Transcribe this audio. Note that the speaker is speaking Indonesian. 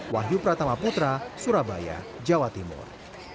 wahyu pratama putra surabaya jawa timur